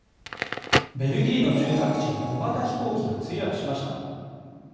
ベルギーの住宅地に小型飛行機が墜落しました。